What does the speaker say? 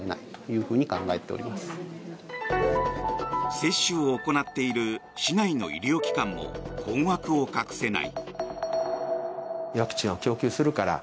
接種を行っている市内の医療機関も困惑を隠せない。